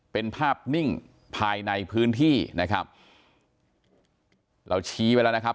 เป็นภาพนิ่งภายในพื้นที่นะครับเราชี้ไว้แล้วนะครับ